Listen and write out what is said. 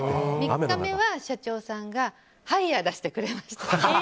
３日目は社長さんがハイヤー出してくれました。